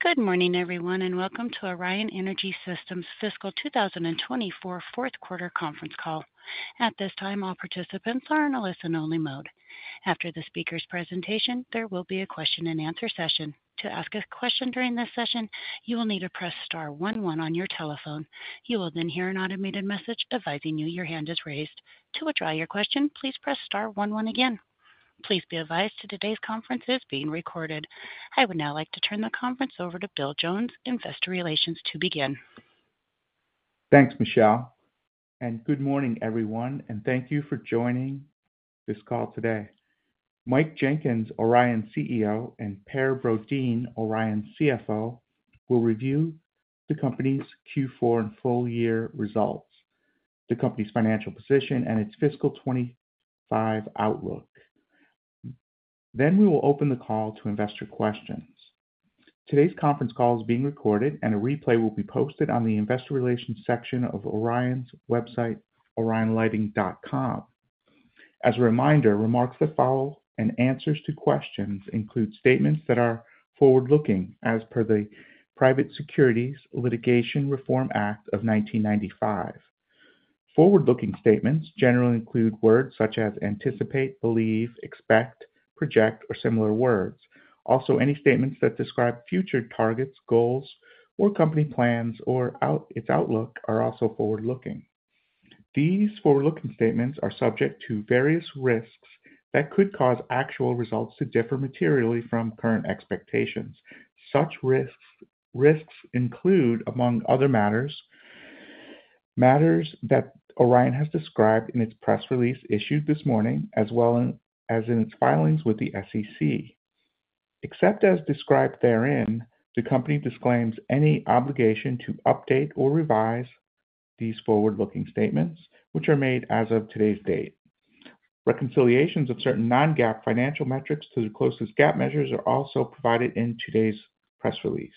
Good morning, everyone, and welcome to Orion Energy Systems' fiscal 2024 Q4 conference call. At this time, all participants are in a listen-only mode. After the speaker's presentation, there will be a question-and-answer session. To ask a question during this session, you will need to press star one one on your telephone. You will then hear an automated message advising you your hand is raised. To withdraw your question, please press star one one again. Please be advised that today's conference is being recorded. I would now like to turn the conference over to Bill Jones, Investor Relations, to begin. Thanks, Michelle. Good morning, everyone, and thank you for joining this call today. Mike Jenkins, Orion CEO, and Per Brodin, Orion CFO, will review the company's Q4 and full-year results, the company's financial position, and its fiscal 2025 outlook. Then we will open the call to investor questions. Today's conference call is being recorded, and a replay will be posted on the Investor Relations section of Orion's website, orionlighting.com. As a reminder, remarks that follow and answers to questions include statements that are forward-looking as per the Private Securities Litigation Reform Act of 1995. Forward-looking statements generally include words such as anticipate, believe, expect, project, or similar words. Also, any statements that describe future targets, goals, or company plans or its outlook are also forward-looking. These forward-looking statements are subject to various risks that could cause actual results to differ materially from current expectations. Such risks include, among other matters, matters that Orion has described in its press release issued this morning, as well as in its filings with the SEC. Except as described therein, the company disclaims any obligation to update or revise these forward-looking statements, which are made as of today's date. Reconciliations of certain non-GAAP financial metrics to the closest GAAP measures are also provided in today's press release.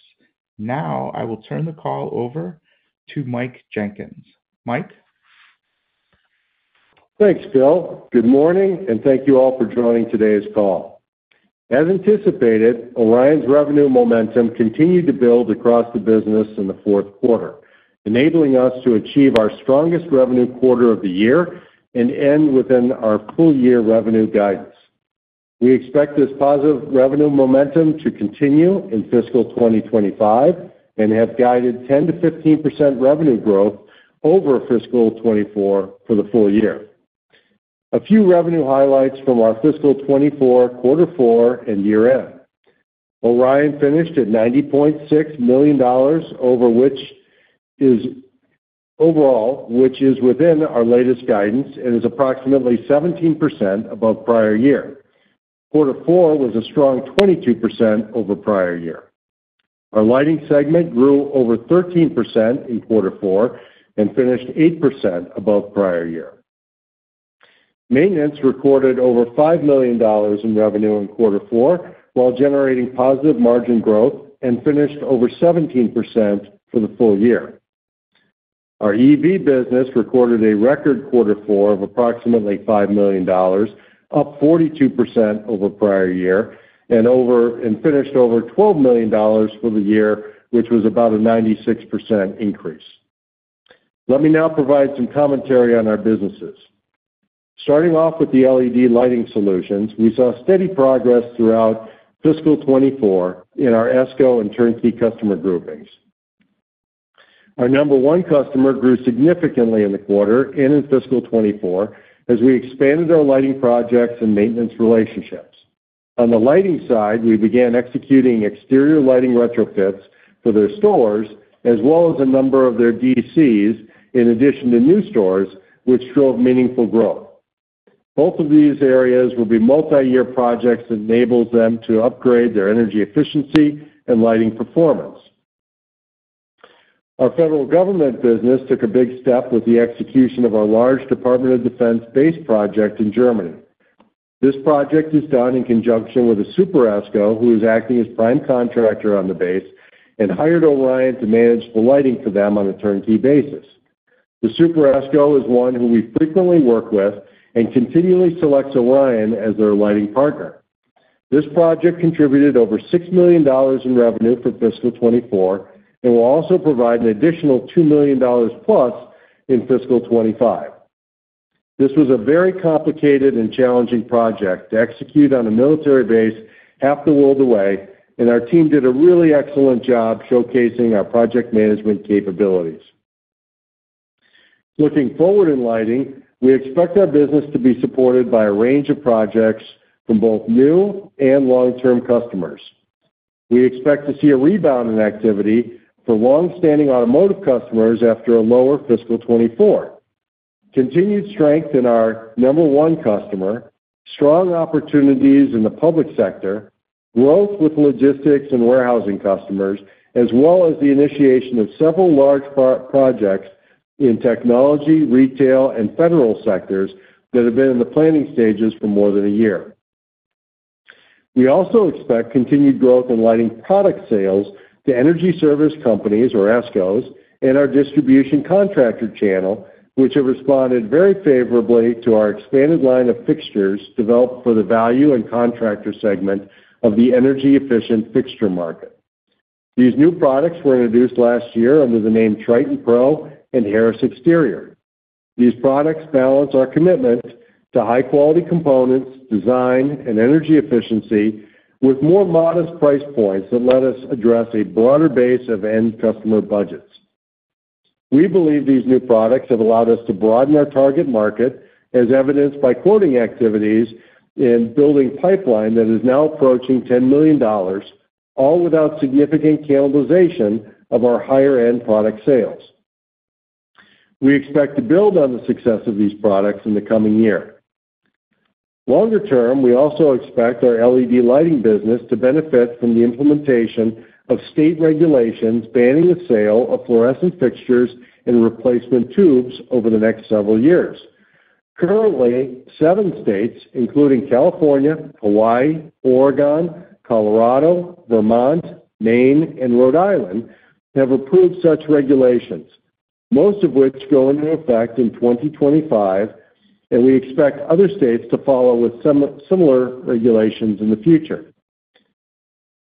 Now, I will turn the call over to Mike Jenkins. Mike. Thanks, Bill. Good morning, and thank you all for joining today's call. As anticipated, Orion's revenue momentum continued to build across the business in the Q4, enabling us to achieve our strongest revenue quarter of the year and end within our full-year revenue guidance. We expect this positive revenue momentum to continue in fiscal 2025 and have guided 10%-15% revenue growth over fiscal 2024 for the full year. A few revenue highlights from our fiscal 2024, quarter four, and year-end. Orion finished at $90.6 million, over which is overall, which is within our latest guidance and is approximately 17% above prior year. Quarter four was a strong 22% over prior year. Our lighting segment grew over 13% in quarter four and finished 8% above prior year. Maintenance recorded over $5 million in revenue in quarter four while generating positive margin growth and finished over 17% for the full year. Our EV business recorded a record quarter four of approximately $5 million, up 42% over prior year, and finished over $12 million for the year, which was about a 96% increase. Let me now provide some commentary on our businesses. Starting off with the LED lighting solutions, we saw steady progress throughout fiscal 2024 in our ESCO and turnkey customer groupings. Our number one customer grew significantly in the quarter and in fiscal 2024 as we expanded our lighting projects and maintenance relationships. On the lighting side, we began executing exterior lighting retrofits for their stores, as well as a number of their DCs, in addition to new stores, which drove meaningful growth. Both of these areas will be multi-year projects that enable them to upgrade their energy efficiency and lighting performance. Our federal government business took a big step with the execution of our large Department of Defense base project in Germany. This project is done in conjunction with a Super ESCO who is acting as prime contractor on the base and hired Orion to manage the lighting for them on a turnkey basis. The Super ESCO is one who we frequently work with and continually selects Orion as their lighting partner. This project contributed over $6 million in revenue for fiscal 2024 and will also provide an additional $2 million+ in fiscal 2025. This was a very complicated and challenging project to execute on a military base half the world away, and our team did a really excellent job showcasing our project management capabilities. Looking forward in lighting, we expect our business to be supported by a range of projects from both new and long-term customers. We expect to see a rebound in activity for long-standing automotive customers after a lower fiscal 2024. Continued strength in our number one customer, strong opportunities in the public sector, growth with logistics and warehousing customers, as well as the initiation of several large projects in technology, retail, and federal sectors that have been in the planning stages for more than a year. We also expect continued growth in lighting product sales to energy service companies, or ESCOs, and our distribution contractor channel, which have responded very favorably to our expanded line of fixtures developed for the value and contractor segment of the energy-efficient fixture market. These new products were introduced last year under the name Triton Pro and Harris Exterior. These products balance our commitment to high-quality components, design, and energy efficiency with more modest price points that let us address a broader base of end customer budgets. We believe these new products have allowed us to broaden our target market, as evidenced by quoting activities in building pipeline that is now approaching $10 million, all without significant cannibalization of our higher-end product sales. We expect to build on the success of these products in the coming year. Longer term, we also expect our LED lighting business to benefit from the implementation of state regulations banning the sale of fluorescent fixtures and replacement tubes over the next several years. Currently, seven states, including California, Hawaii, Oregon, Colorado, Vermont, Maine, and Rhode Island, have approved such regulations, most of which go into effect in 2025, and we expect other states to follow with similar regulations in the future.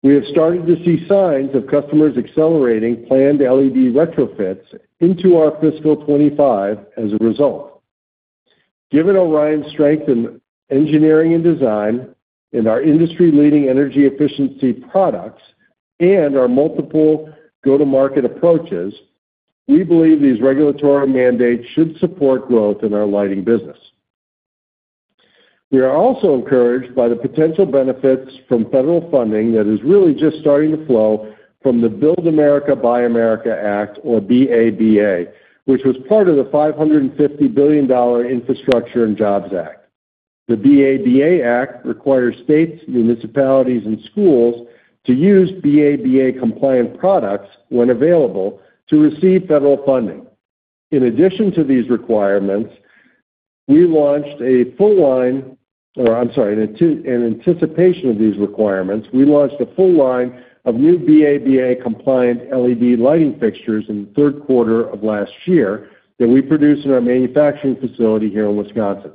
We have started to see signs of customers accelerating planned LED retrofits into our fiscal 2025 as a result. Given Orion's strength in engineering and design, and our industry-leading energy efficiency products, and our multiple go-to-market approaches, we believe these regulatory mandates should support growth in our lighting business. We are also encouraged by the potential benefits from federal funding that is really just starting to flow from the Build America, Buy America Act, or BABA, which was part of the $550 billion Infrastructure and Jobs Act. The BABA Act requires states, municipalities, and schools to use BABA-compliant products when available to receive federal funding. In addition to these requirements, in anticipation of these requirements, we launched a full line of new BABA-compliant LED lighting fixtures in the Q3 of last year that we produced in our manufacturing facility here in Wisconsin.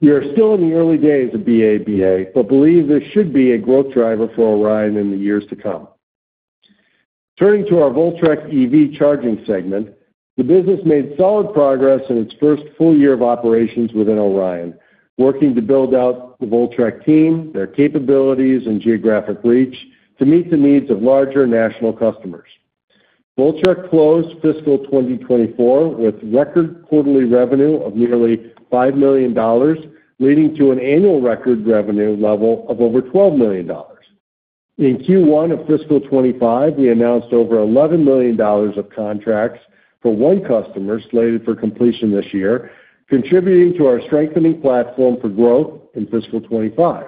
We are still in the early days of BABA, but believe this should be a growth driver for Orion in the years to come. Turning to our Voltrek EV charging segment, the business made solid progress in its first full year of operations within Orion, working to build out the Voltrek team, their capabilities, and geographic reach to meet the needs of larger national customers. Voltrek closed fiscal 2024 with record quarterly revenue of nearly $5 million, leading to an annual record revenue level of over $12 million. In Q1 of fiscal 2025, we announced over $11 million of contracts for one customer slated for completion this year, contributing to our strengthening platform for growth in fiscal 2025.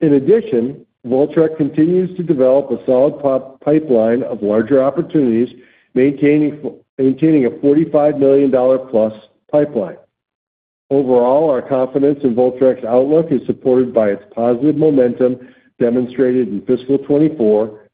In addition, Voltrek continues to develop a solid pipeline of larger opportunities, maintaining a $45 million+ pipeline. Overall, our confidence in Voltrek's outlook is supported by its positive momentum demonstrated in fiscal 2024,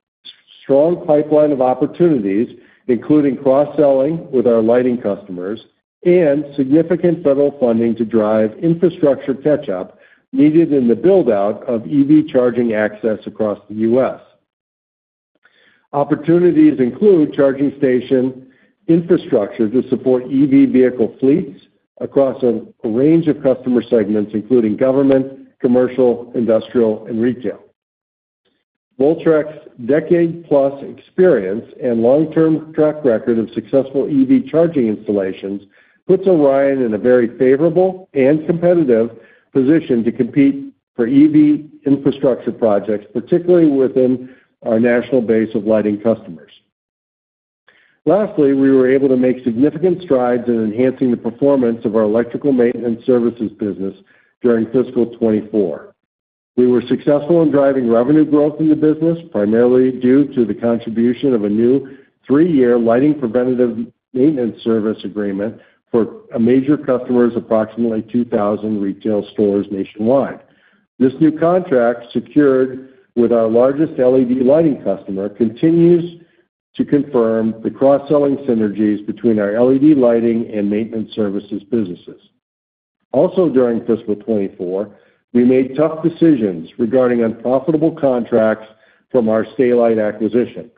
strong pipeline of opportunities, including cross-selling with our lighting customers, and significant federal funding to drive infrastructure catch-up needed in the build-out of EV charging access across the U.S. Opportunities include charging station infrastructure to support EV vehicle fleets across a range of customer segments, including government, commercial, industrial, and retail. Voltrek's decade-plus experience and long-term track record of successful EV charging installations puts Orion in a very favorable and competitive position to compete for EV infrastructure projects, particularly within our national base of lighting customers. Lastly, we were able to make significant strides in enhancing the performance of our electrical maintenance services business during fiscal 2024. We were successful in driving revenue growth in the business, primarily due to the contribution of a new three-year lighting preventative maintenance service agreement for a major customer's approximately 2,000 retail stores nationwide. This new contract secured with our largest LED lighting customer continues to confirm the cross-selling synergies between our LED lighting and maintenance services businesses. Also, during fiscal 2024, we made tough decisions regarding unprofitable contracts from our Stay-Lite acquisition.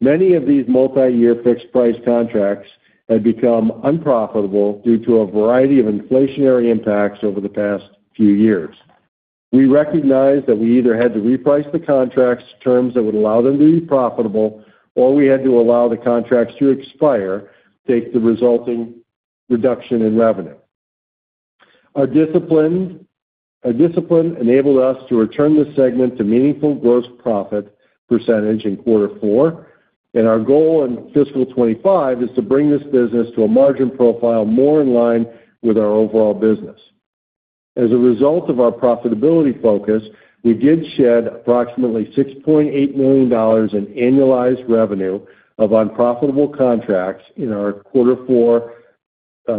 Many of these multi-year fixed-price contracts had become unprofitable due to a variety of inflationary impacts over the past few years. We recognized that we either had to reprice the contracts to terms that would allow them to be profitable, or we had to allow the contracts to expire to take the resulting reduction in revenue. Our discipline enabled us to return this segment to meaningful gross profit percentage in quarter four, and our goal in fiscal 2025 is to bring this business to a margin profile more in line with our overall business. As a result of our profitability focus, we did shed approximately $6.8 million in annualized revenue of unprofitable contracts in our quarter four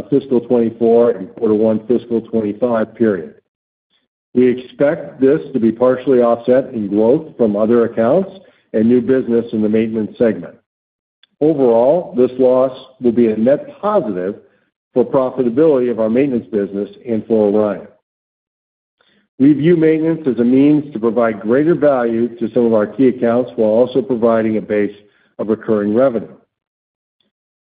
fiscal 2024 and quarter one fiscal 2025 period. We expect this to be partially offset in growth from other accounts and new business in the maintenance segment. Overall, this loss will be a net positive for profitability of our maintenance business and for Orion. We view maintenance as a means to provide greater value to some of our key accounts while also providing a base of recurring revenue.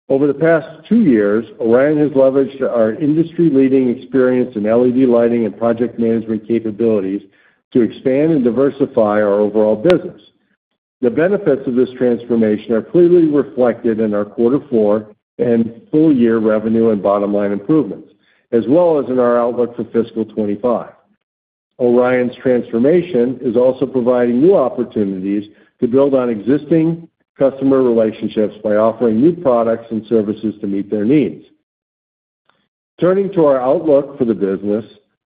Over the past two years, Orion has leveraged our industry-leading experience in LED lighting and project management capabilities to expand and diversify our overall business. The benefits of this transformation are clearly reflected in our quarter four and full-year revenue and bottom-line improvements, as well as in our outlook for fiscal 2025. Orion's transformation is also providing new opportunities to build on existing customer relationships by offering new products and services to meet their needs. Turning to our outlook for the business,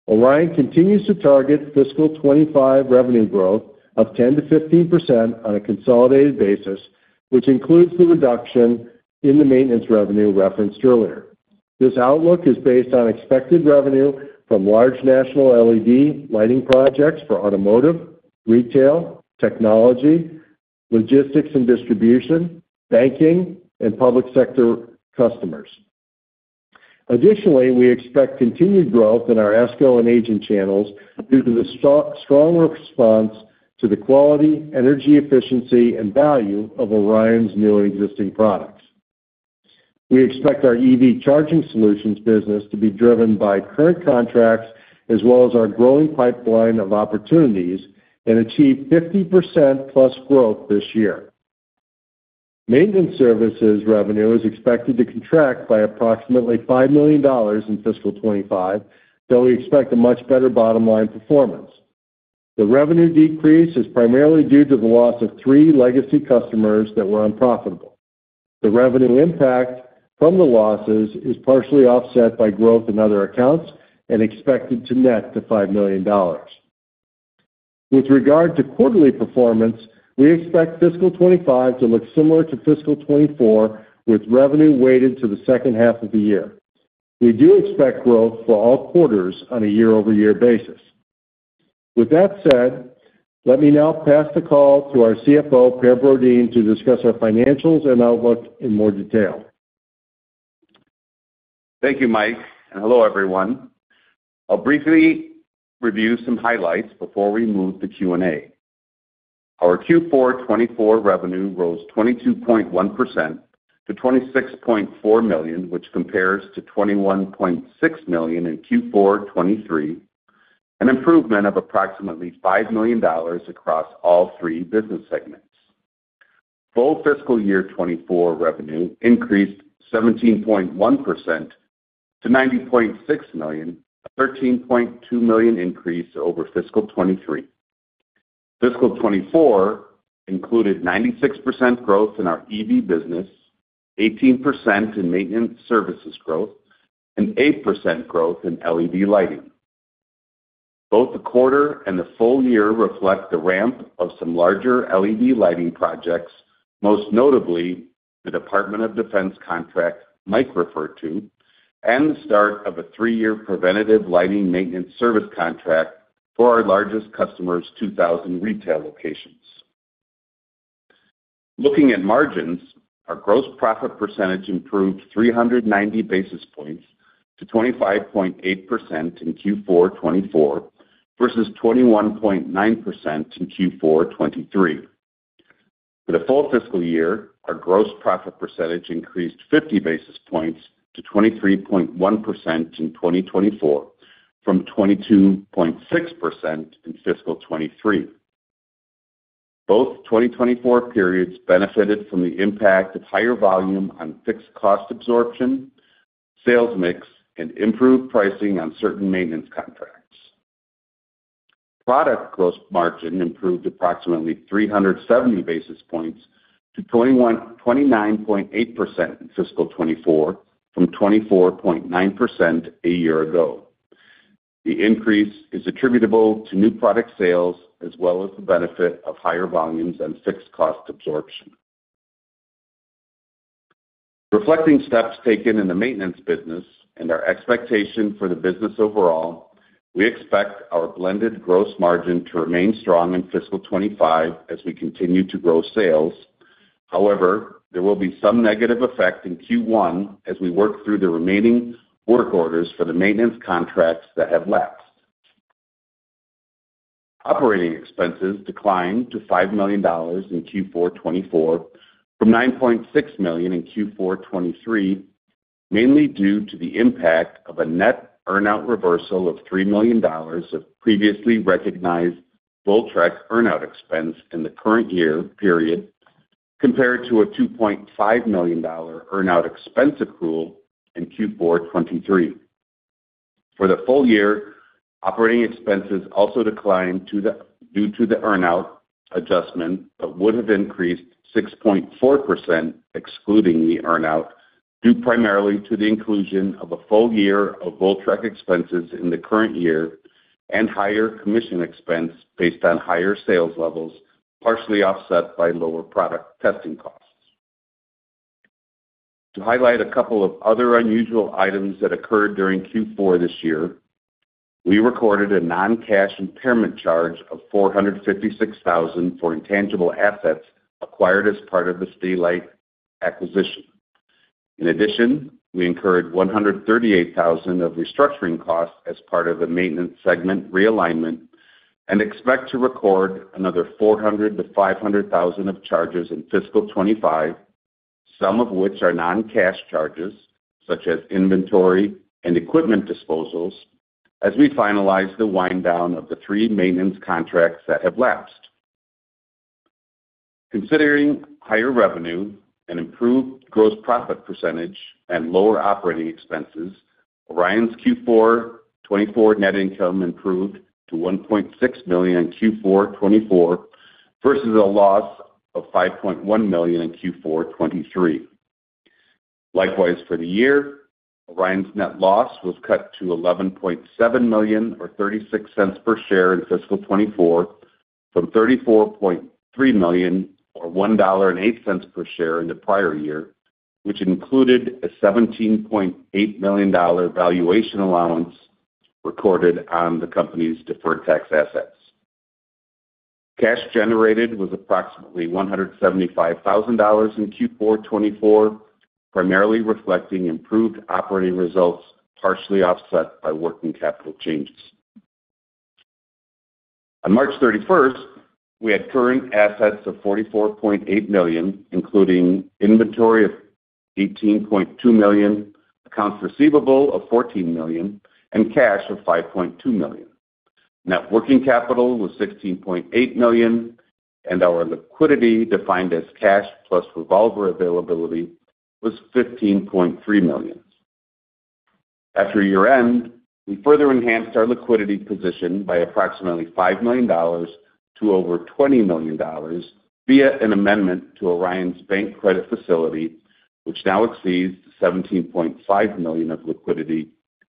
Orion continues to target fiscal 2025 revenue growth of 10%-15% on a consolidated basis, which includes the reduction in the maintenance revenue referenced earlier. This outlook is based on expected revenue from large national LED lighting projects for automotive, retail, technology, logistics and distribution, banking, and public sector customers. Additionally, we expect continued growth in our ESCO and agent channels due to the strong response to the quality, energy efficiency, and value of Orion's new and existing products. We expect our EV charging solutions business to be driven by current contracts, as well as our growing pipeline of opportunities, and achieve 50%+ growth this year. Maintenance services revenue is expected to contract by approximately $5 million in fiscal 2025, though we expect a much better bottom-line performance. The revenue decrease is primarily due to the loss of three legacy customers that were unprofitable. The revenue impact from the losses is partially offset by growth in other accounts and expected to net to $5 million. With regard to quarterly performance, we expect fiscal 2025 to look similar to fiscal 2024, with revenue weighted to the second half of the year. We do expect growth for all quarters on a year-over-year basis. With that said, let me now pass the call to our CFO, Per Brodin, to discuss our financials and outlook in more detail. Thank you, Mike, and hello, everyone. I'll briefly review some highlights before we move to Q&A. Our Q4 2024 revenue rose 22.1% to $26.4 million, which compares to $21.6 million in Q4 2023, an improvement of approximately $5 million across all three business segments. Full fiscal year 2024 revenue increased 17.1% to $90.6 million, a $13.2 million increase over fiscal 2023. Fiscal 2024 included 96% growth in our EV business, 18% in maintenance services growth, and 8% growth in LED lighting. Both the quarter and the full year reflect the ramp of some larger LED lighting projects, most notably the Department of Defense contract Mike referred to, and the start of a three-year preventative lighting maintenance service contract for our largest customer's 2,000 retail locations. Looking at margins, our gross profit percentage improved 390 basis points to 25.8% in Q4 2024 versus 21.9% in Q4 2023. For the full fiscal year, our gross profit percentage increased 50 basis points to 23.1% in 2024, from 22.6% in fiscal 2023. Both 2024 periods benefited from the impact of higher volume on fixed cost absorption, sales mix, and improved pricing on certain maintenance contracts. Product gross margin improved approximately 370 basis points to 29.8% in fiscal 2024, from 24.9% a year ago. The increase is attributable to new product sales, as well as the benefit of higher volumes on fixed cost absorption. Reflecting steps taken in the maintenance business and our expectation for the business overall, we expect our blended gross margin to remain strong in fiscal 2025 as we continue to grow sales. However, there will be some negative effect in Q1 as we work through the remaining work orders for the maintenance contracts that have lapsed. Operating expenses declined to $5 million in Q4 2024, from $9.6 million in Q4 2023, mainly due to the impact of a net earnout reversal of $3 million of previously recognized Voltrek earnout expense in the current year period, compared to a $2.5 million earnout expense accrual in Q4 2023. For the full year, operating expenses also declined due to the earnout adjustment, but would have increased 6.4% excluding the earnout, due primarily to the inclusion of a full year of Voltrek expenses in the current year and higher commission expense based on higher sales levels, partially offset by lower product testing costs. To highlight a couple of other unusual items that occurred during Q4 this year, we recorded a non-cash impairment charge of $456,000 for intangible assets acquired as part of the Stay-Lite acquisition. In addition, we incurred $138,000 of restructuring costs as part of the maintenance segment realignment and expect to record another $400,000-$500,000 of charges in fiscal 2025, some of which are non-cash charges, such as inventory and equipment disposals, as we finalize the wind-down of the three maintenance contracts that have lapsed. Considering higher revenue, an improved gross profit percentage, and lower operating expenses, Orion's Q4 2024 net income improved to $1.6 million in Q4 2024 versus a loss of $5.1 million in Q4 2023. Likewise, for the year, Orion's net loss was cut to $11.7 million, or $0.36 per share in fiscal 2024, from $34.3 million, or $1.08 per share in the prior year, which included a $17.8 million valuation allowance recorded on the company's deferred tax assets. Cash generated was approximately $175,000 in Q4 2024, primarily reflecting improved operating results, partially offset by working capital changes. On March 31st, we had current assets of $44.8 million, including inventory of $18.2 million, accounts receivable of $14 million, and cash of $5.2 million. Net working capital was $16.8 million, and our liquidity, defined as cash plus revolver availability, was $15.3 million. After year-end, we further enhanced our liquidity position by approximately $5 million to over $20 million via an amendment to Orion's bank credit facility, which now exceeds $17.5 million of liquidity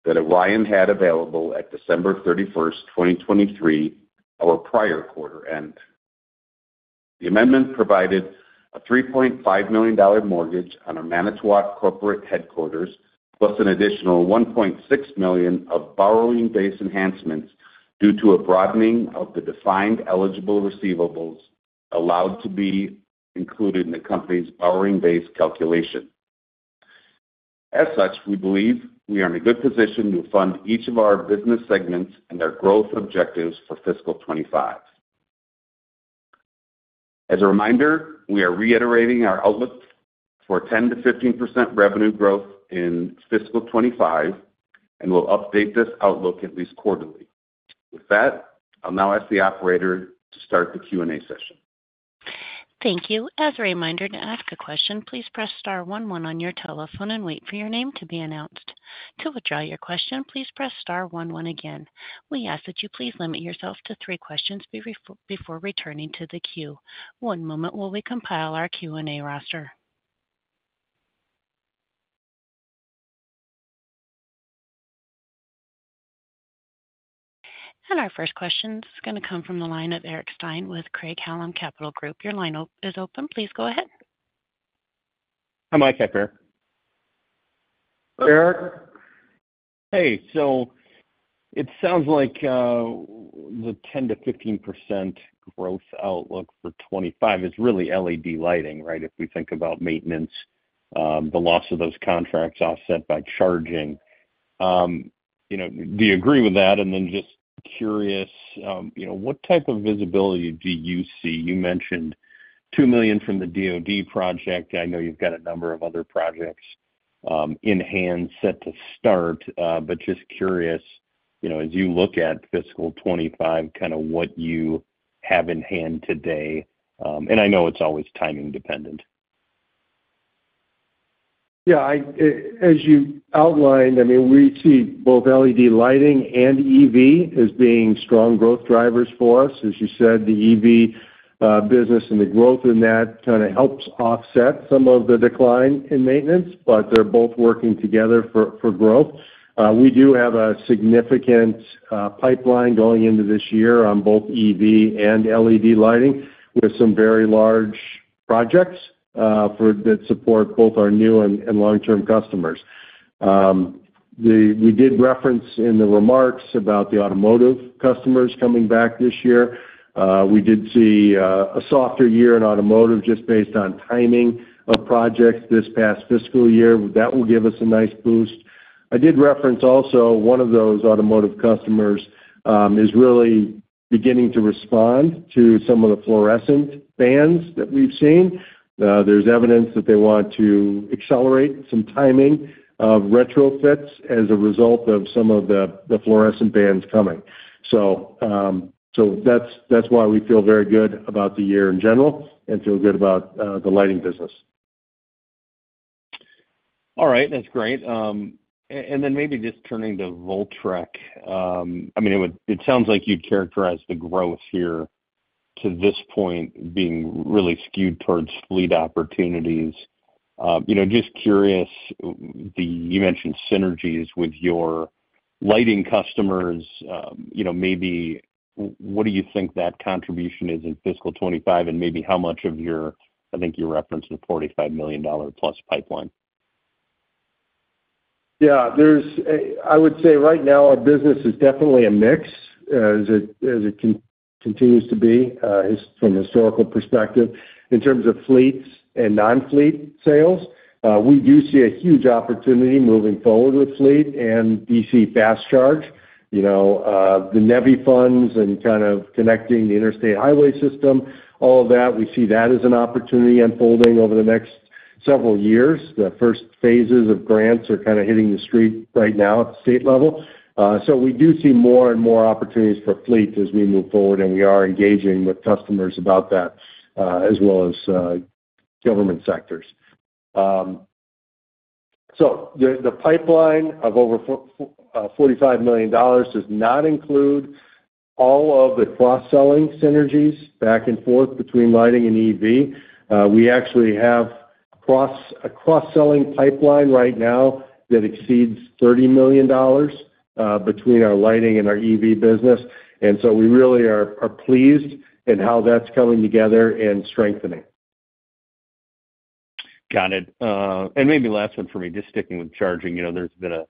that Orion had available at December 31st, 2023, our prior quarter end. The amendment provided a $3.5 million mortgage on our Manitowoc corporate headquarters, plus an additional $1.6 million of borrowing base enhancements due to a broadening of the defined eligible receivables allowed to be included in the company's borrowing base calculation. As such, we believe we are in a good position to fund each of our business segments and their growth objectives for fiscal 2025. As a reminder, we are reiterating our outlook for 10%-15% revenue growth in fiscal 2025, and we'll update this outlook at least quarterly. With that, I'll now ask the operator to start the Q&A session. Thank you. As a reminder to ask a question, please press star one one on your telephone and wait for your name to be announced. To withdraw your question, please press star one one again. We ask that you please limit yourself to three questions before returning to the queue. One moment while we compile our Q&A roster. Our first question is going to come from the line of Eric Stein with Craig-Hallum Capital Group. Your line is open. Please go ahead. Hi, Mike. Hi, Per. Eric. Hey. So it sounds like the 10%-15% growth outlook for 2025 is really LED lighting, right, if we think about maintenance, the loss of those contracts offset by charging. Do you agree with that? And then just curious, what type of visibility do you see? You mentioned $2 million from the DOD project. I know you've got a number of other projects in hand set to start, but just curious, as you look at fiscal 2025, kind of what you have in hand today? And I know it's always timing dependent. Yeah. As you outlined, I mean, we see both LED lighting and EV as being strong growth drivers for us. As you said, the EV business and the growth in that kind of helps offset some of the decline in maintenance, but they're both working together for growth. We do have a significant pipeline going into this year on both EV and LED lighting with some very large projects that support both our new and long-term customers. We did reference in the remarks about the automotive customers coming back this year. We did see a softer year in automotive just based on timing of projects this past fiscal year. That will give us a nice boost. I did reference also one of those automotive customers is really beginning to respond to some of the fluorescent bans that we've seen. There's evidence that they want to accelerate some timing of retrofits as a result of some of the fluorescent bans coming. So that's why we feel very good about the year in general and feel good about the lighting business. All right. That's great. And then maybe just turning to Voltrek, I mean, it sounds like you'd characterize the growth here to this point being really skewed towards fleet opportunities. Just curious, you mentioned synergies with your lighting customers. Maybe what do you think that contribution is in fiscal 2025, and maybe how much of your—I think you referenced the $45 million plus pipeline? Yeah. I would say right now our business is definitely a mix, as it continues to be from a historical perspective. In terms of fleets and non-fleet sales, we do see a huge opportunity moving forward with fleet and DC fast charge. The NEVI funds and kind of connecting the interstate highway system, all of that, we see that as an opportunity unfolding over the next several years. The first phases of grants are kind of hitting the street right now at the state level. So we do see more and more opportunities for fleet as we move forward, and we are engaging with customers about that, as well as government sectors. So the pipeline of over $45 million does not include all of the cross-selling synergies back and forth between lighting and EV. We actually have a cross-selling pipeline right now that exceeds $30 million between our lighting and our EV business. And so we really are pleased in how that's coming together and strengthening. Got it. And maybe last one for me, just sticking with charging. There's been a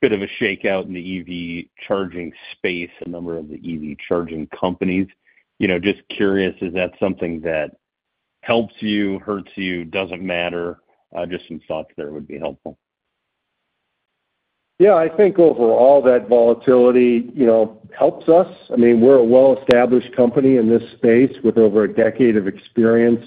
bit of a shakeout in the EV charging space. Number of the EV charging companies. Just curious, is that something that helps you, hurts you, doesn't matter? Just some thoughts there would be helpful. Yeah. I think overall that volatility helps us. I mean, we're a well-established company in this space with over a decade of experience.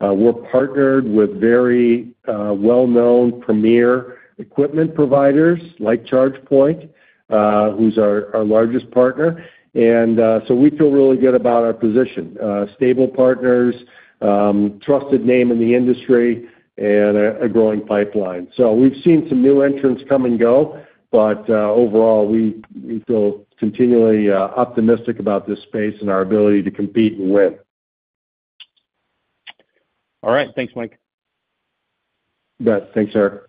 We're partnered with very well-known premier equipment providers like ChargePoint, who's our largest partner. And so we feel really good about our position: stable partners, trusted name in the industry, and a growing pipeline. So we've seen some new entrants come and go, but overall, we feel continually optimistic about this space and our ability to compete and win. All right. Thanks, Mike. You bet. Thanks, Eric.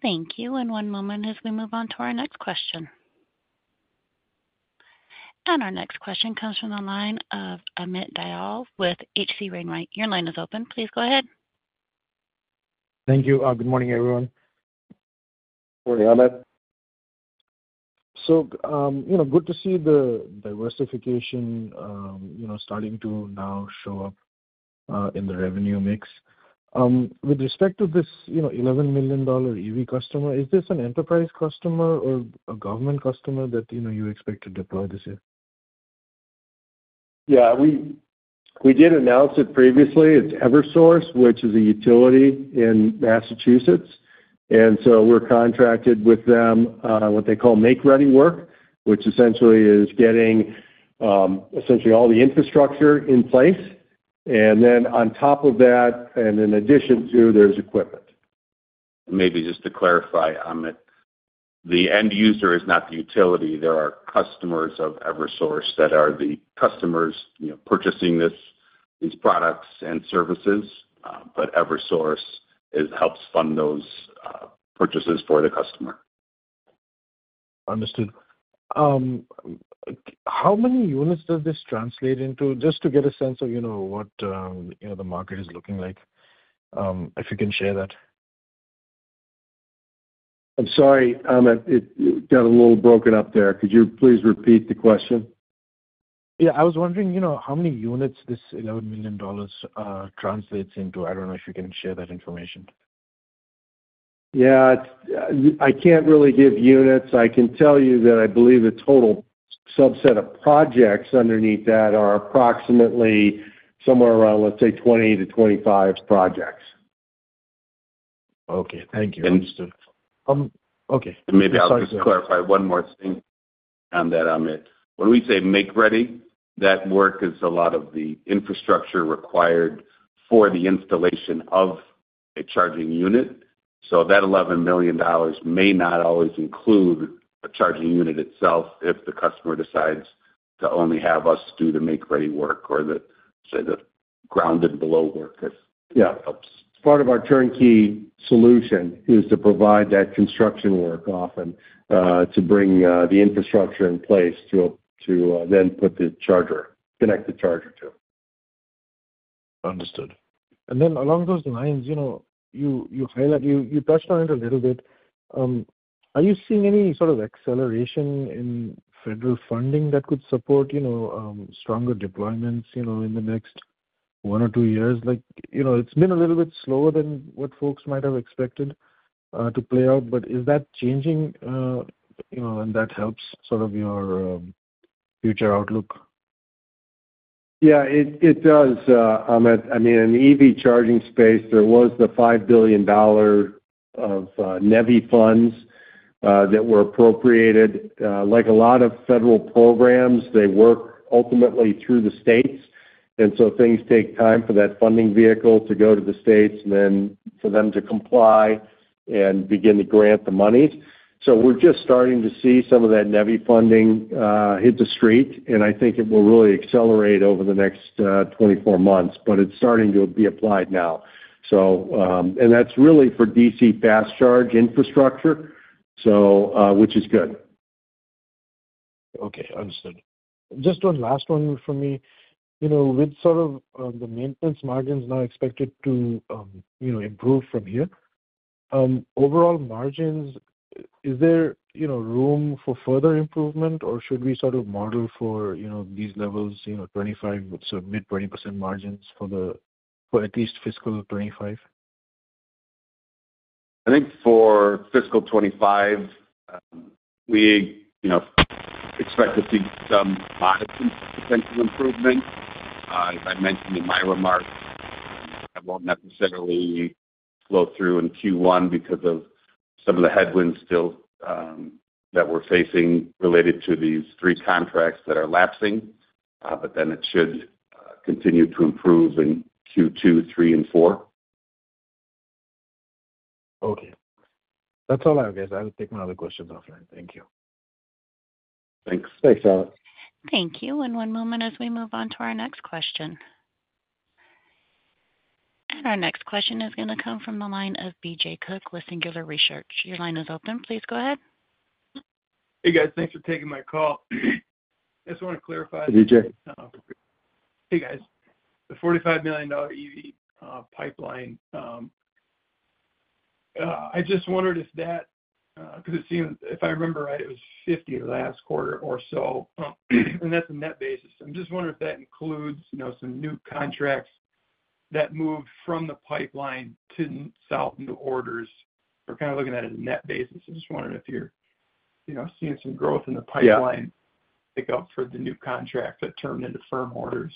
Thank you. And one moment as we move on to our next question. And our next question comes from the line of Amit Dayal with H.C. Wainwright. Your line is open. Please go ahead. Thank you. Good morning, everyone. Good morning, Amit. So good to see the diversification starting to now show up in the revenue mix. With respect to this $11 million EV customer, is this an enterprise customer or a government customer that you expect to deploy this year? Yeah. We did announce it previously. It's Eversource, which is a utility in Massachusetts. And so we're contracted with them, what they call make-ready work, which essentially is getting essentially all the infrastructure in place. And then on top of that, and in addition to, there's equipment. Maybe just to clarify, Amit, the end user is not the utility. There are customers of Eversource that are the customers purchasing these products and services, but Eversource helps fund those purchases for the customer. Understood. How many units does this translate into? Just to get a sense of what the market is looking like, if you can share that. I'm sorry. It got a little broken up there. Could you please repeat the question? Yeah. I was wondering how many units this $11 million translates into. I don't know if you can share that information. Yeah. I can't really give units. I can tell you that I believe the total subset of projects underneath that are approximately somewhere around, let's say, 20-25 projects. Okay. Thank you. Understood. Okay. And maybe I'll just clarify one more thing on that, Amit. When we say make-ready, that work is a lot of the infrastructure required for the installation of a charging unit. So that $11 million may not always include a charging unit itself if the customer decides to only have us do the make-ready work or the ground-and-below work if that helps. Yeah. Part of our turnkey solution is to provide that construction work often to bring the infrastructure in place to then connect the charger to. Understood. And then along those lines, you touched on it a little bit. Are you seeing any sort of acceleration in federal funding that could support stronger deployments in the next one or two years? It's been a little bit slower than what folks might have expected to play out, but is that changing? And that helps sort of your future outlook. Yeah. It does, Amit. I mean, in the EV charging space, there was the $5 billion of NEVI funds that were appropriated. Like a lot of federal programs, they work ultimately through the states. So things take time for that funding vehicle to go to the states and then for them to comply and begin to grant the monies. So we're just starting to see some of that NEVI funding hit the street. And I think it will really accelerate over the next 24 months, but it's starting to be applied now. And that's really for DC fast charge infrastructure, which is good. Okay. Understood. Just one last one from me. With sort of the maintenance margins now expected to improve from here, overall margins, is there room for further improvement, or should we sort of model for these levels, 25, so mid-20% margins for at least fiscal 2025? I think for fiscal 2025, we expect to see some modest potential improvement. As I mentioned in my remarks, it won't necessarily flow through in Q1 because of some of the headwinds still that we're facing related to these three contracts that are lapsing, but then it should continue to improve in Q2, Q3, and Q4. Okay. That's all I have, guys. I'll take my other questions offline. Thank you. Thanks. Thanks, Alex. Thank you. One moment as we move on to our next question. Our next question is going to come from the line of BJ Cook with Singular Research. Your line is open. Please go ahead. Hey, guys. Thanks for taking my call. I just want to clarify. Hey, BJ. Hey, guys. The $45 million EV pipeline, I just wondered if that-because it seems, if I remember right, it was 50 last quarter or so. That's a net basis. I'm just wondering if that includes some new contracts that moved from the pipeline to solid new orders. We're kind of looking at it as a net basis. I just wondered if you're seeing some growth in the pipeline to pick up for the new contracts that turned into firm orders.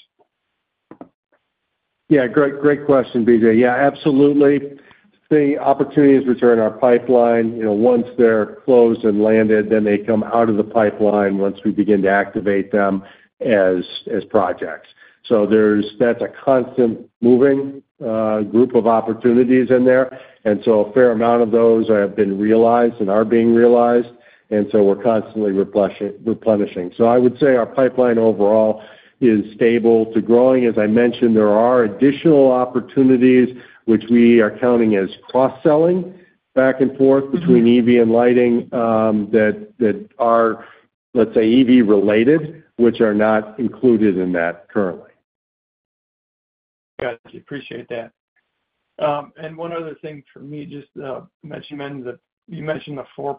Yeah. Great question, BJ. Yeah. Absolutely. The opportunities remain in our pipeline. Once they're closed and landed, then they come out of the pipeline once we begin to activate them as projects. So that's a constant moving group of opportunities in there. And so a fair amount of those have been realized and are being realized. And so we're constantly replenishing. So I would say our pipeline overall is stable to growing. As I mentioned, there are additional opportunities, which we are counting as cross-selling back and forth between EV and lighting that are, let's say, EV-related, which are not included in that currently. Got it. Appreciate that. And one other thing for me, just you mentioned the $4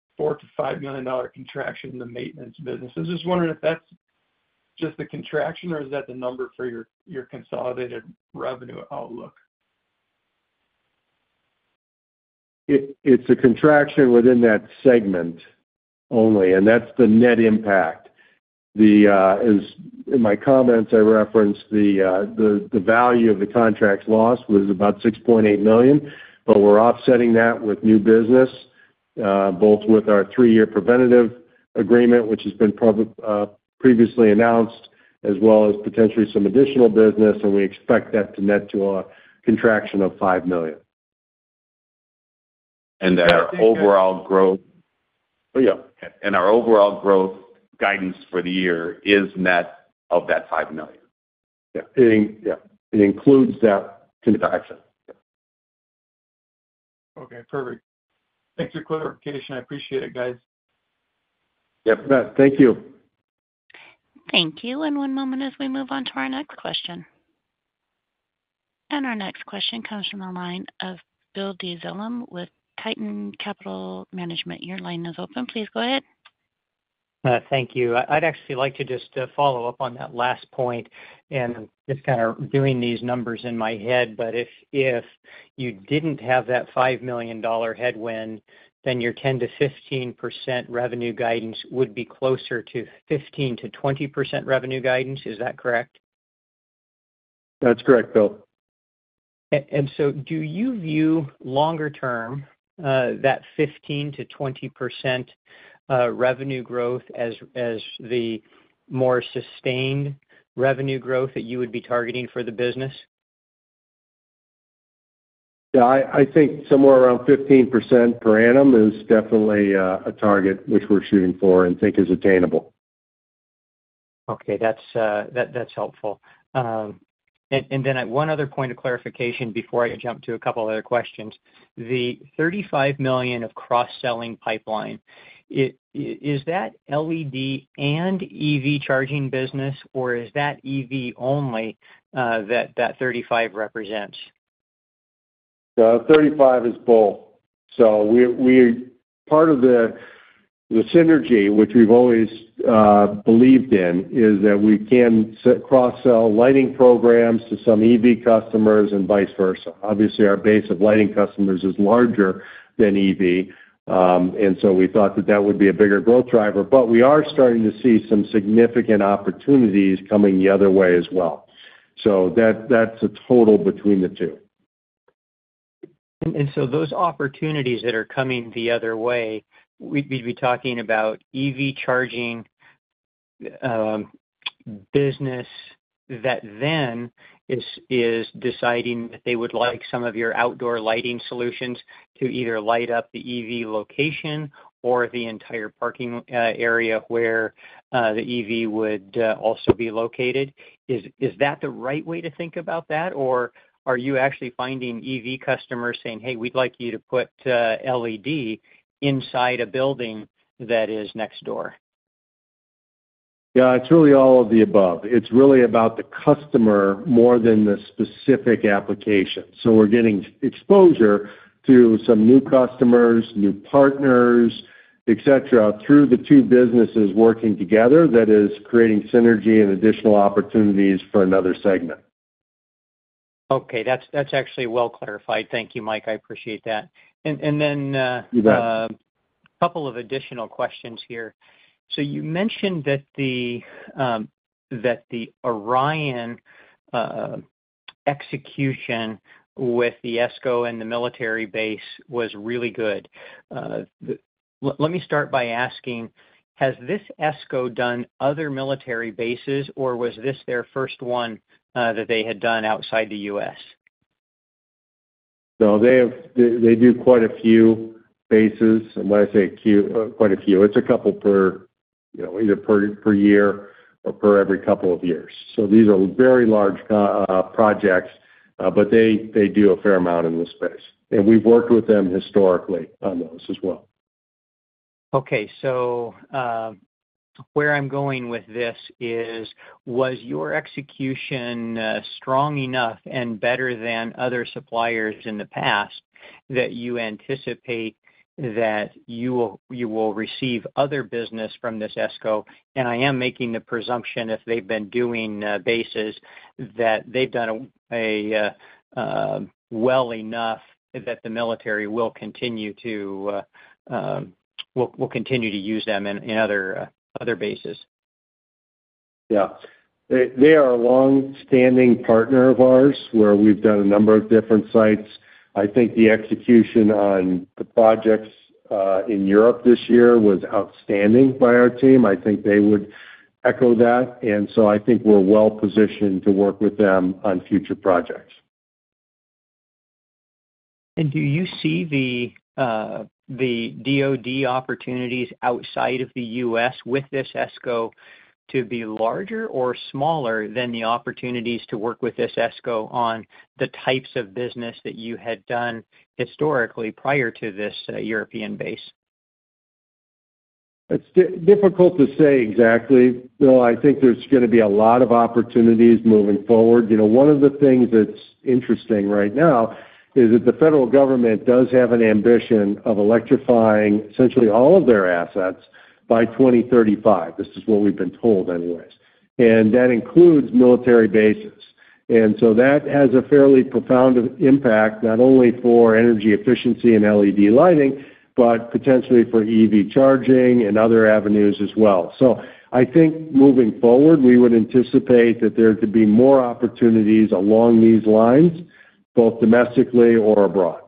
million-$5 million contraction in the maintenance business. I was just wondering if that's just the contraction or is that the number for your consolidated revenue outlook? It's a contraction within that segment only, and that's the net impact. In my comments, I referenced the value of the contracts lost was about $6.8 million, but we're offsetting that with new business, both with our three-year preventative agreement, which has been previously announced, as well as potentially some additional business, and we expect that to net to a contraction of $5 million. Our overall growth. Oh, yeah. And our overall growth guidance for the year is net of that $5 million. Yeah. It includes that contraction. Okay. Perfect. Thanks for clarification. I appreciate it, guys. Yep. Thank you. Thank you. And one moment as we move on to our next question. And our next question comes from the line of Bill Dezellem with Tieton Capital Management. Your line is open. Please go ahead. Thank you. I'd actually like to just follow up on that last point and just kind of doing these numbers in my head. But if you didn't have that $5 million headwind, then your 10%-15% revenue guidance would be closer to 15%-20% revenue guidance. Is that correct? That's correct, Bill. And so do you view longer-term that 15%-20% revenue growth as the more sustained revenue growth that you would be targeting for the business? Yeah. I think somewhere around 15% per annum is definitely a target which we're shooting for and think is attainable. Okay. That's helpful. And then one other point of clarification before I jump to a couple of other questions. The $35 million of cross-selling pipeline, is that LED and EV charging business, or is that EV only that that $35 represents? The $35 is both. So part of the synergy, which we've always believed in, is that we can cross-sell lighting programs to some EV customers and vice versa. Obviously, our base of lighting customers is larger than EV, and so we thought that that would be a bigger growth driver. But we are starting to see some significant opportunities coming the other way as well. So that's a total between the two. And so those opportunities that are coming the other way, we'd be talking about EV charging business that then is deciding that they would like some of your outdoor lighting solutions to either light up the EV location or the entire parking area where the EV would also be located. Is that the right way to think about that, or are you actually finding EV customers saying, "Hey, we'd like you to put LED inside a building that is next door"? Yeah. It's really all of the above. It's really about the customer more than the specific application. So we're getting exposure to some new customers, new partners, etc., through the two businesses working together that is creating synergy and additional opportunities for another segment. Okay. That's actually well clarified. Thank you, Mike. I appreciate that. And then a couple of additional questions here. So you mentioned that the Orion execution with the ESCO and the military base was really good. Let me start by asking, has this ESCO done other military bases, or was this their first one that they had done outside the U.S.? No, they do quite a few bases. And when I say quite a few, it's a couple per either year or per every couple of years. So these are very large projects, but they do a fair amount in this space. And we've worked with them historically on those as well. Okay. So where I'm going with this is, was your execution strong enough and better than other suppliers in the past that you anticipate that you will receive other business from this ESCO? I am making the presumption, if they've been doing bases, that they've done well enough that the military will continue to use them in other bases. Yeah. They are a long-standing partner of ours where we've done a number of different sites. I think the execution on the projects in Europe this year was outstanding by our team. I think they would echo that. So I think we're well positioned to work with them on future projects. Do you see the DOD opportunities outside of the U.S. with this ESCO to be larger or smaller than the opportunities to work with this ESCO on the types of business that you had done historically prior to this European base? It's difficult to say exactly. I think there's going to be a lot of opportunities moving forward. One of the things that's interesting right now is that the federal government does have an ambition of electrifying essentially all of their assets by 2035. This is what we've been told anyways. And that includes military bases. And so that has a fairly profound impact not only for energy efficiency and LED lighting, but potentially for EV charging and other avenues as well. So I think moving forward, we would anticipate that there could be more opportunities along these lines, both domestically or abroad.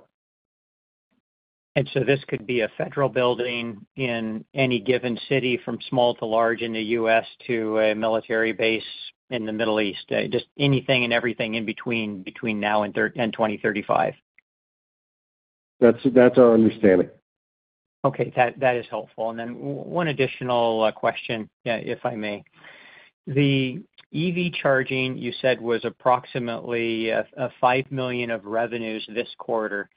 And so this could be a federal building in any given city from small to large in the U.S. to a military base in the Middle East, just anything and everything in between now and 2035. That's our understanding. Okay. That is helpful. And then one additional question, if I may. The EV charging, you said, was approximately $5 million of revenues this quarter.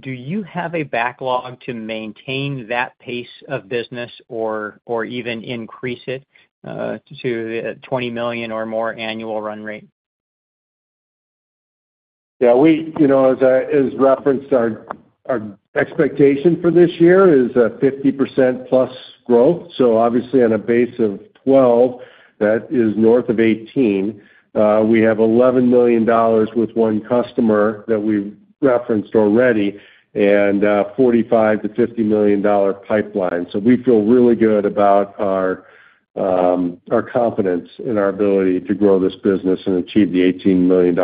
Do you have a backlog to maintain that pace of business or even increase it to $20 million or more annual run rate? Yeah. As referenced, our expectation for this year is 50%+ growth. So obviously, on a base of $12 million, that is north of $18 million. We have $11 million with one customer that we referenced already and $45 million-$50 million pipeline. So we feel really good about our confidence in our ability to grow this business and achieve the $18 million+.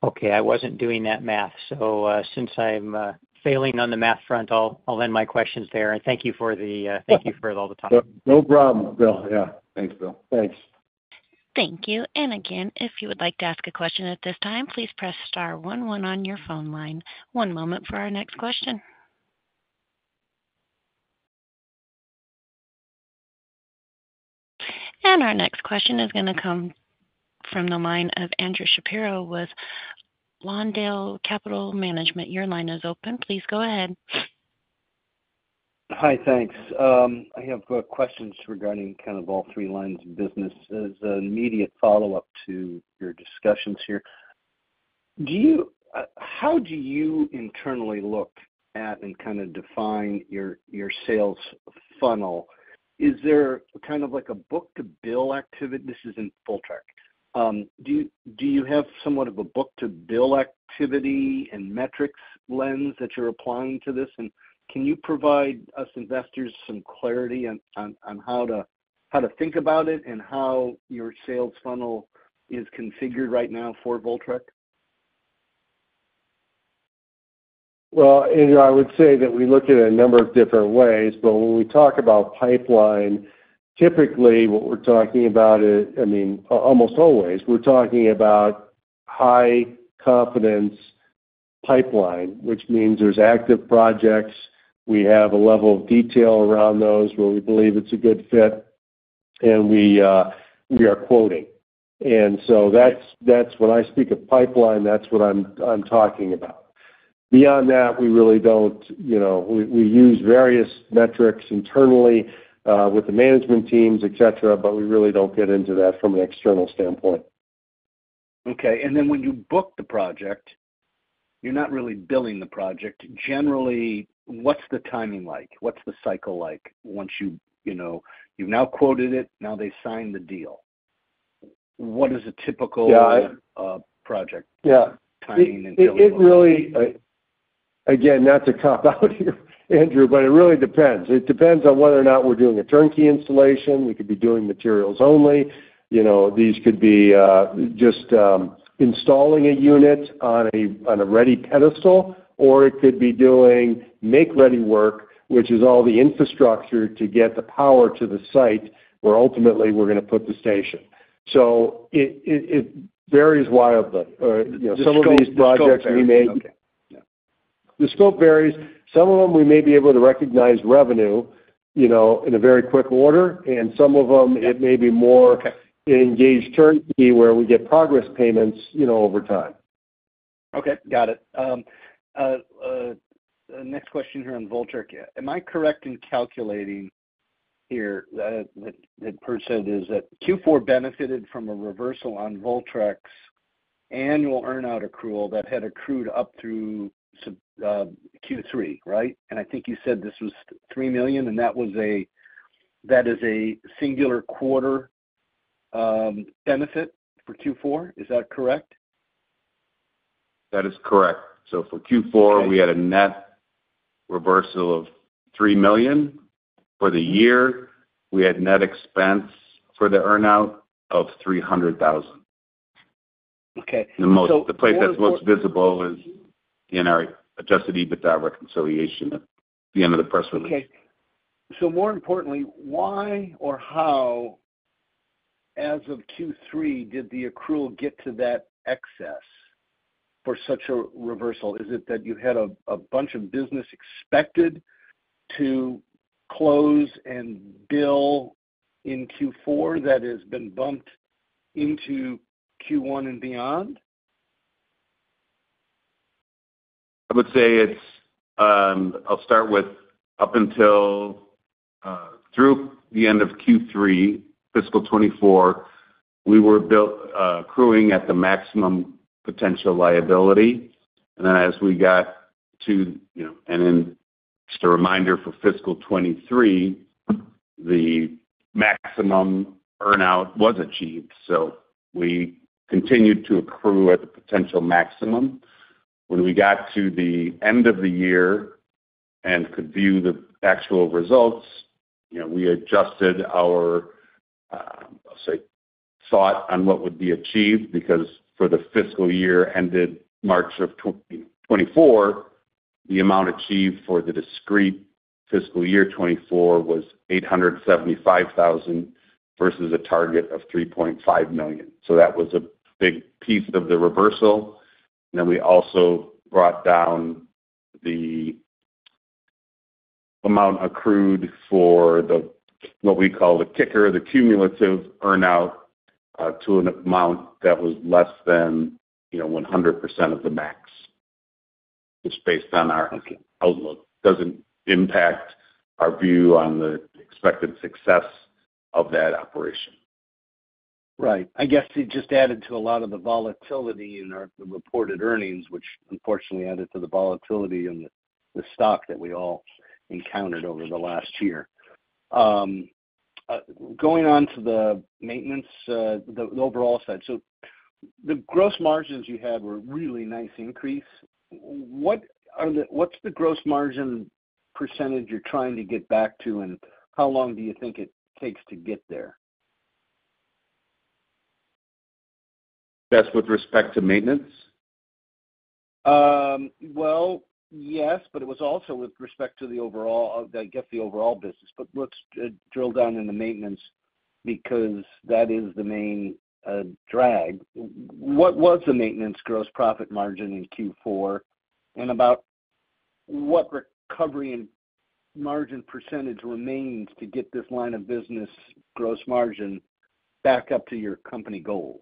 Okay. I wasn't doing that math. So since I'm failing on the math front, I'll end my questions there. And thank you for the thank you for all the time. No problem, Bill. Yeah. Thanks, Bill. Thanks. Thank you. And again, if you would like to ask a question at this time, please press star one one on your phone line. One moment for our next question. Our next question is going to come from the line of Andrew Shapiro with Lawndale Capital Management. Your line is open. Please go ahead. Hi. Thanks. I have questions regarding kind of all three lines of business as an immediate follow-up to your discussions here. How do you internally look at and kind of define your sales funnel? Is there kind of a book-to-bill activity? This is in Voltrek. Do you have somewhat of a book-to-bill activity and metrics lens that you're applying to this? And can you provide us investors some clarity on how to think about it and how your sales funnel is configured right now for Voltrek? Well, Andrew, I would say that we look at a number of different ways. But when we talk about pipeline, typically, what we're talking about is, I mean, almost always, we're talking about high-confidence pipeline, which means there's active projects. We have a level of detail around those where we believe it's a good fit, and we are quoting. And so when I speak of pipeline, that's what I'm talking about. Beyond that, we really don't. We use various metrics internally with the management teams, etc., but we really don't get into that from an external standpoint. Okay. And then when you book the project, you're not really billing the project. Generally, what's the timing like? What's the cycle like once you've now quoted it, now they've signed the deal? What is a typical project timing and delivery? Again, not to cop out here, Andrew, but it really depends. It depends on whether or not we're doing a turnkey installation. We could be doing materials only. These could be just installing a unit on a ready pedestal, or it could be doing make-ready work, which is all the infrastructure to get the power to the site where ultimately we're going to put the station. So it varies wildly. Some of these projects we may. The scope varies. Some of them, we may be able to recognize revenue in a very quick order, and some of them, it may be more engaged turnkey where we get progress payments over time. Okay. Got it. Next question here on Voltrek. Am I correct in calculating here that percent is that Q4 benefited from a reversal on Voltrek's annual earnout accrual that had accrued up through Q3, right? And I think you said this was $3 million, and that is a singular quarter benefit for Q4. Is that correct? That is correct. So for Q4, we had a net reversal of $3 million. For the year, we had net expense for the earnout of $300,000. The place that's most visible is in our adjusted EBITDA reconciliation at the end of the press release. Okay. So more importantly, why or how, as of Q3, did the accrual get to that excess for such a reversal? Is it that you had a bunch of business expected to close and bill in Q4 that has been bumped into Q1 and beyond? I would say it's. I'll start with up until through the end of Q3, fiscal 2024, we were accruing at the maximum potential liability. And then as we got to. And then just a reminder for fiscal 2023, the maximum earnout was achieved. So we continued to accrue at the potential maximum. When we got to the end of the year and could view the actual results, we adjusted our, I'll say, thought on what would be achieved because for the fiscal year ended March 2024, the amount achieved for the discrete fiscal year 2024 was $875,000 versus a target of $3.5 million. So that was a big piece of the reversal. And then we also brought down the amount accrued for what we call the kicker, the cumulative earnout, to an amount that was less than 100% of the max, just based on our outlook. It doesn't impact our view on the expected success of that operation. Right. I guess it just added to a lot of the volatility in the reported earnings, which unfortunately added to the volatility in the stock that we all encountered over the last year. Going on to the maintenance, the overall side. So the gross margins you had were a really nice increase. What's the gross margin percentage you're trying to get back to, and how long do you think it takes to get there? That's with respect to maintenance? Well, yes, but it was also with respect to the overall, I guess, the overall business. But let's drill down in the maintenance because that is the main drag. What was the maintenance gross profit margin in Q4, and about what recovery and margin percentage remains to get this line of business gross margin back up to your company goals?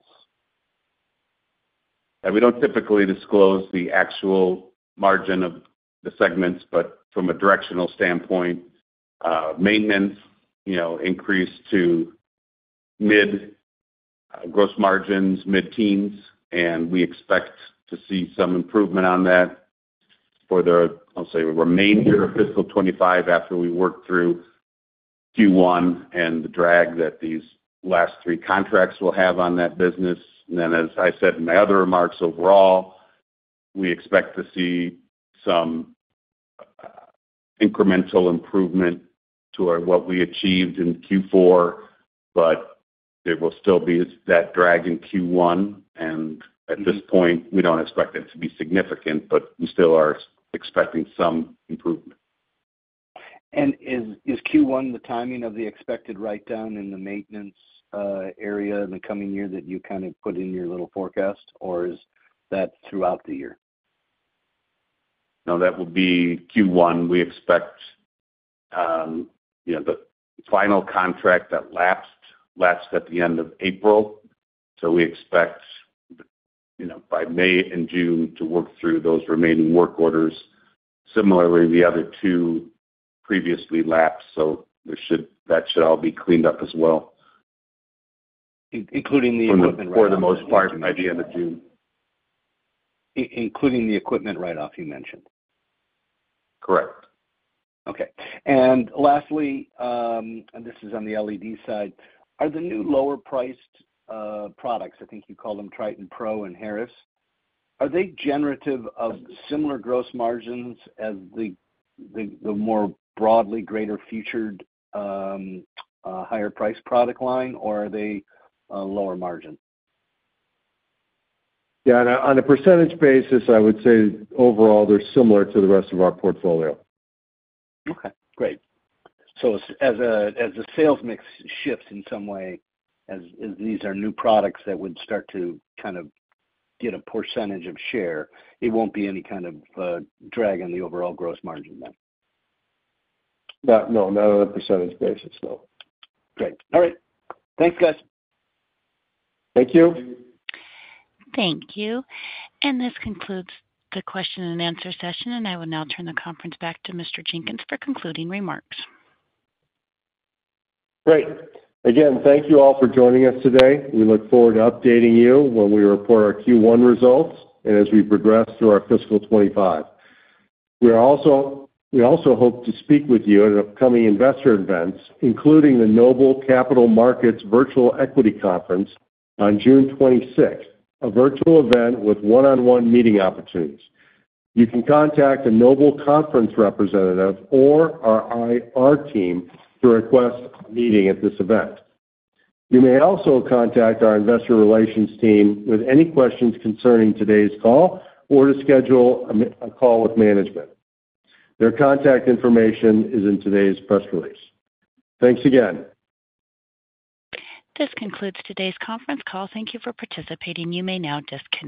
We don't typically disclose the actual margin of the segments, but from a directional standpoint, maintenance increased to mid-gross margins, mid-teens, and we expect to see some improvement on that for the, I'll say, remainder of fiscal 2025 after we work through Q1 and the drag that these last three contracts will have on that business. And then, as I said in my other remarks, overall, we expect to see some incremental improvement to what we achieved in Q4, but there will still be that drag in Q1. And at this point, we don't expect it to be significant, but we still are expecting some improvement. Is Q1 the timing of the expected write-down in the maintenance area in the coming year that you kind of put in your little forecast, or is that throughout the year? No, that will be Q1. We expect the final contract that lapsed at the end of April. So we expect by May and June to work through those remaining work orders. Similarly, the other two previously lapsed, so that should all be cleaned up as well. Including the equipment write-off for the most part by the end of June. Including the equipment write-off you mentioned. Correct. Okay. And lastly, and this is on the LED side, are the new lower-priced products - I think you call them Triton Pro and Harris - are they generative of similar gross margins as the more broadly greater featured higher-priced product line, or are they lower margin? Yeah. On a percentage basis, I would say overall, they're similar to the rest of our portfolio. Okay. Great. So as the sales mix shifts in some way, as these are new products that would start to kind of get a percentage of share, it won't be any kind of drag on the overall gross margin then? No. Not on a percentage basis. No. Great. All right. Thanks, guys. Thank you. Thank you. And this concludes the Q&A session, and I will now turn the conference back to Mr. Jenkins for concluding remarks. Great. Again, thank you all for joining us today. We look forward to updating you when we report our Q1 results and as we progress through our fiscal 2025. We also hope to speak with you at upcoming investor events, including the Noble Capital Markets Virtual Equity Conference on June 26th, a virtual event with one-on-one meeting opportunities. You can contact a Noble Conference representative or our IR team to request a meeting at this event. You may also contact our investor relations team with any questions concerning today's call or to schedule a call with management. Their contact information is in today's press release. Thanks again. This concludes today's conference call. Thank you for participating. You may now disconnect.